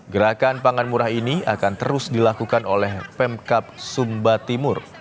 gerakan pangan murah ini akan terus dilakukan oleh pemkap sumba timur